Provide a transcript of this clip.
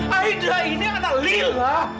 aida ini anak lila